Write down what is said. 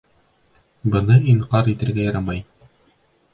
Быны инҡар итергә ярамай.